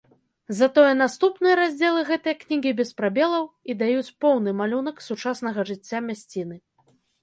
Затое наступныя раздзелы гэтай кнігі без прабелаў і даюць поўны малюнак сучаснага жыцця мясціны.